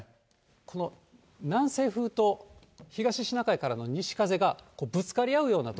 この南西風と東シナ海からの西風がぶつかり合うような所。